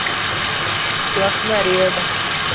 Chuak marieba